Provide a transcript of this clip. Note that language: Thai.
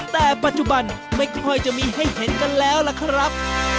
แต่ปัจจุบันไม่ค่อยจะมีให้เห็นกันแล้วล่ะครับ